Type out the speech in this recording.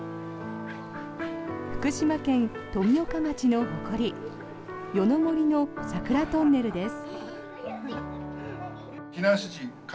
福島県富岡町の誇り夜の森の桜トンネルです。